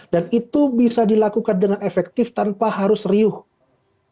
dan itu bisa dilakukan dengan efektif tanpa harus riukan